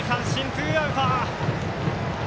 ツーアウト！